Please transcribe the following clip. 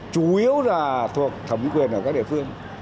chủ yếu là thuộc thẩm quyền ở các địa phương